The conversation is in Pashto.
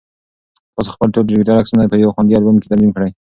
تاسو خپل ټول ډیجیټل عکسونه په یو خوندي البوم کې تنظیم کړئ.